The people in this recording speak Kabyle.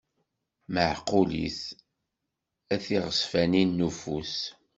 Meɛqulit, at iɣezfanen n ufus.